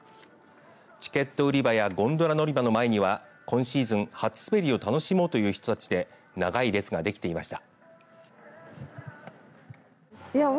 チケット売り場やゴンドラ乗り場の前には今シーズン初滑りを楽しもうという人たちで長い列が出来ていました。